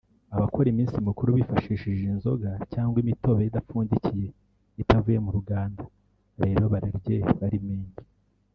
Abakora iminsi mikuru bifashishije inzoga cyangwa imitobe idapfundikiye (itavuye mu ruganda) rero bararye bari menge